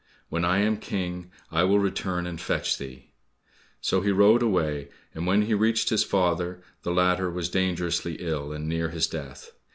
When I am King, I will return and fetch thee." So he rode away, and when he reached his father, the latter was dangerously ill, and near his death.